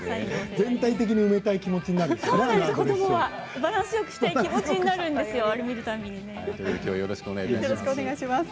全体的に埋めたい気持ちになるんですよね。